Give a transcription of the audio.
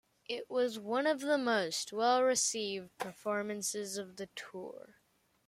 It was one of the most well received performances of the tour.